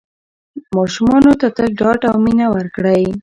ماشومانو ته تل ډاډ او مینه ورکړئ.